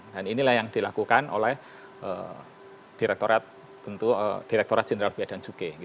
dan inilah yang dilakukan oleh direktorat general biadhan juge